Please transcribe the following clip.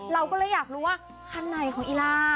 เราก็เลยอยากรู้ว่าคันไหนของอีล่า